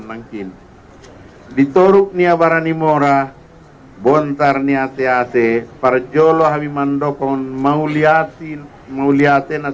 mangkin bitoruknya abaran diemora buntar nyateate parjolo habimandoko maulia pin monks